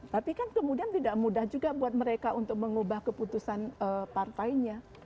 tapi kan kemudian tidak mudah juga buat mereka untuk mengubah keputusan partainya